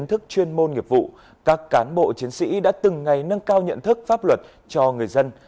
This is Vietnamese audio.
các chuyên môn nghiệp vụ các cán bộ chiến sĩ đã từng ngày nâng cao nhận thức pháp luật cho người dân